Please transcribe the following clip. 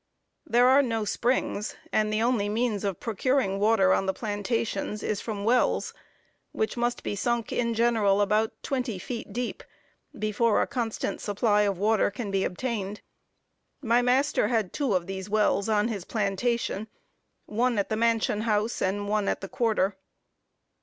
There are no springs, and the only means of procuring water on the plantations is from wells, which must be sunk in general about twenty feet deep, before a constant supply of water can be obtained. My master had two of these wells on his plantation one at the mansion house, and one at the quarter.